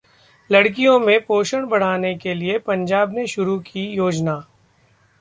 लड़कियों में पोषण बढ़ाने के लिए पंजाब ने शुरू की योजना